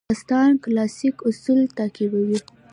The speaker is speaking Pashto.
داستان کلاسیک اصول تعقیبوي.